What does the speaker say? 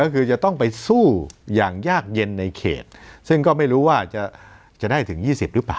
ก็คือจะต้องไปสู้อย่างยากเย็นในเขตซึ่งก็ไม่รู้ว่าจะได้ถึง๒๐หรือเปล่า